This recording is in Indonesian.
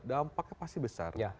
dampaknya pasti besar